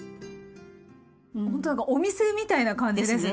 ほんと何かお店みたいな感じですね